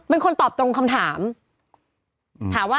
อ่าอ่าอ่าอ่า